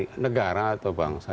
tidak ada negara atau bangsa